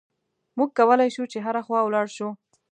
موږ کولای شو چې هره خوا ولاړ شو.